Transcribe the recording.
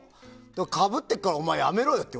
かぶってるからお前、やめろよって。